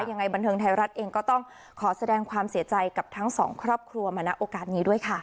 ยังไงบันเทิงไทยรัฐเองก็ต้องขอแสดงความเสียใจกับทั้งสองครอบครัวมาณโอกาสนี้ด้วยค่ะ